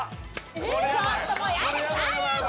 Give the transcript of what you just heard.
ちょっともうイヤだ！